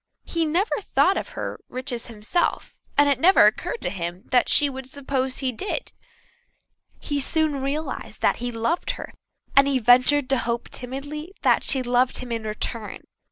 He never thought of her riches himself, and it never occurred to him that she would suppose he did. He soon realized that he loved her, and he ventured to hope timidly that she loved him in return.